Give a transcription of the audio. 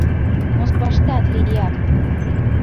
Москваштат лият.